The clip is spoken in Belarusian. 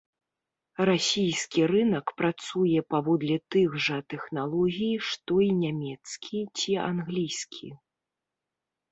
Расійскі рынак працуе паводле тых жа тэхналогій, што і нямецкі ці англійскі.